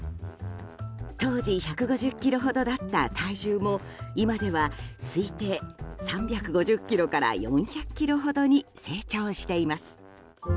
当時１５０ｋｇほどだった体重も今では推定３５０ｋｇから４００ｋｇほどに成長しています。